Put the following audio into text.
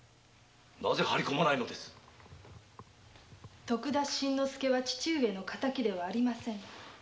なぜ張り込まんのです徳田新之助は父上の敵ではありません。